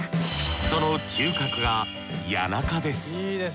その中核が谷中です。